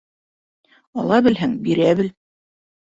Ала белһәң, бирә бел.